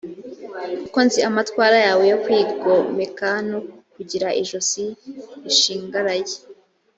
kuko nzi amatwara yawe yo kwigomeka no kugira ijosi rishingaraye.